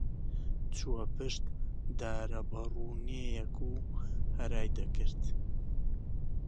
چووە پشت دارە بەڕوونێیەک و هەرای دەکرد.